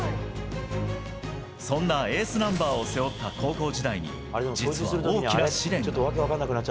そんなエースナンバーを背負った高校時代に、実は大きな試練が。